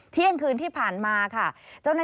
เที่ยงคืนที่ผ่านมาค่ะ